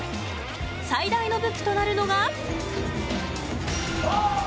最大の武器となるのが。